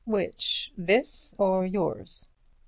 "Which, this or yours?"